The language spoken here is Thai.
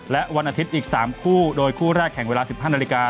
และวันอาทิตย์อีก๓คู่โดยคู่แรกแข่งเวลา๑๕นาฬิกา